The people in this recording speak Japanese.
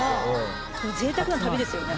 ぜいたくな旅ですよね。